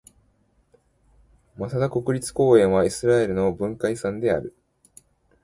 マサダ国立公園はイスラエルの文化遺産である。